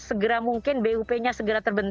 segera mungkin bup nya segera terbentuk